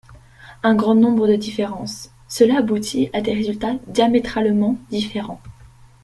Un grand nombre de différences ! Cela aboutit à des résultats diamétralement différents.